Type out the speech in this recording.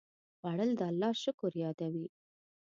خوړل د الله شکر یادوي